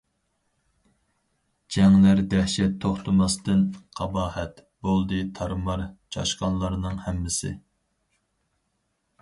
جەڭلەر دەھشەت توختىماستىن قاباھەت، بولدى تارمار چاشقانلارنىڭ ھەممىسى.